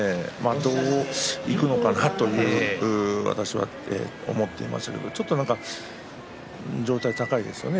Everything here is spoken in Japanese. どういくのかなと私は思っていましたがちょっと上体が高いですよね。